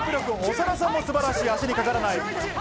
長田さんも素晴らしい、足にかからない。